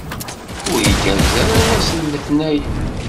Ur igerrez ara wass n letnayen.